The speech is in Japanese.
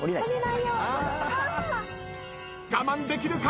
我慢できるか？